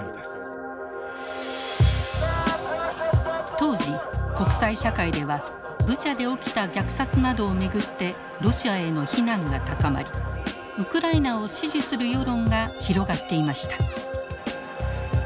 当時国際社会ではブチャで起きた虐殺などを巡ってロシアへの非難が高まりウクライナを支持する世論が広がっていました。